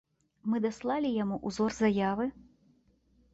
Мы даслалі яму ўзор заявы.